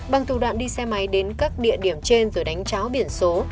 bằng thủ đoạn đi xe máy đến các địa điểm trên rồi đánh cháo biển số